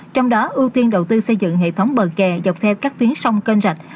trong đó ưu tiên đầu tư xây dựng hệ thống bờ kè dọc theo các tuyến sông kênh rạch